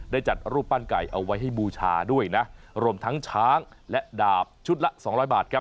จัดรูปปั้นไก่เอาไว้ให้บูชาด้วยนะรวมทั้งช้างและดาบชุดละสองร้อยบาทครับ